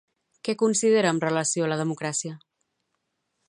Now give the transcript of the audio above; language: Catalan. Què considera amb relació a la democràcia?